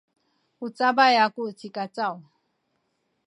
u cabay aku ci Kacaw.